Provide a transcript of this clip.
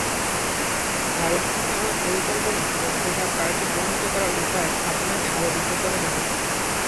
ভারত থেকে আমার পরিকল্পনা এবং উহা কার্যে পরিণত করার উপায় আপনাকে আরও বিশদভাবে জানাব।